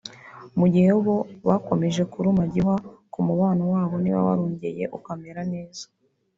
Mu gihe bo bakomeje kuruma gihwa ku mubano wabo niba warongeye ukamera neza